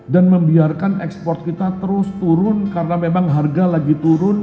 dan membiarkan ekspor kita terus turun karena memang harga lagi turun